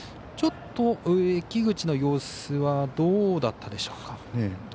ちょっと浴口の様子はどうだったでしょうかね。